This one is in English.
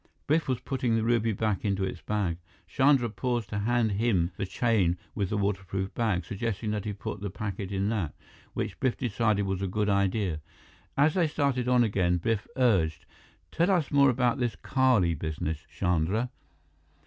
Biff was putting the ruby back into its bag. Chandra paused to hand him the chain with the waterproof bag, suggesting that he put the packet in that, which Biff decided was a good idea. As they started on again, Biff urged: "Tell us more about this Kali business, Chandra."